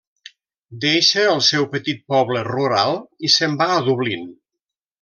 Deixa el seu petit poble rural i se'n va a Dublín.